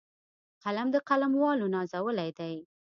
قلم د قلموالو نازولی دی